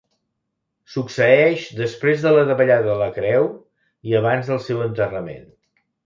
Succeeix després de la davallada de la creu i abans del seu enterrament.